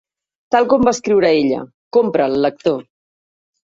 Tal com va escriure ella: Compra'l, lector.